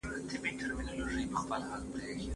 د لور روزنه په حقیقت کي د یوې سالمې کورنۍ روزنه ده